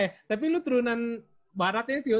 eh tapi lu turunan baratnya tio